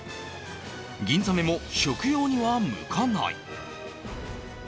ギンザメも食用には向かない。